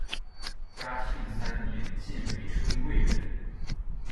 嘉庆三年晋为春贵人。